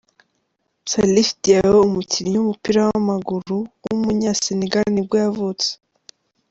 Salif Diao, umukinnyi w’umupira w’amaguru w’umunya-Senegal nibwo yavutse.